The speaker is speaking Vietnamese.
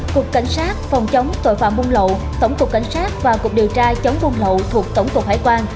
cục cảnh sát phòng chống tội phạm buôn lậu tổng cục cảnh sát và cục điều tra chống buôn lậu thuộc tổng cục hải quan